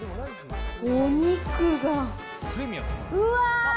お肉がうわー！